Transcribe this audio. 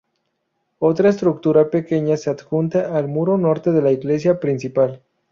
Otra estructura, pequeña, se adjunta al muro norte de la iglesia principal.